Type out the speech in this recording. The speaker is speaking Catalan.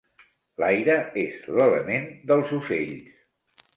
L'aire és l'element dels ocells.